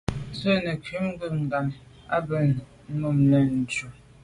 Ntù’ nekum ngu’ gham nà à be num mo’ le’njù.